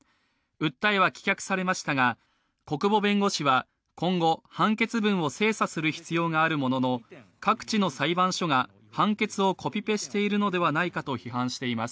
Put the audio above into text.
訴えは棄却されましたが小久保弁護士は今後、判決文を精査する必要があるものの各地の裁判所が判決をコピペしているのではないかと批判しています。